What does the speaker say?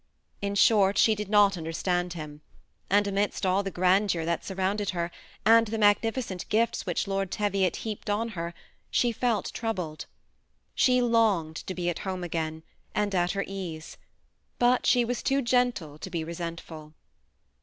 In short, she did not understand him ; and amidst all the grandeur that surrounded her, and the magnificent gifts which Lord Teviot heaped on her, she felt troubled. She longed to be at home again, and at her ease ; but she was too gentle to be resentful.